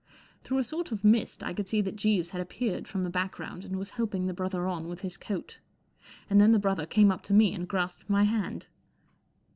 Through a sort of mist I could see that Jeeves had appeared from the back¬ ground and was helping the brother on with his coat; and then the brother came up to me and grasped my hand.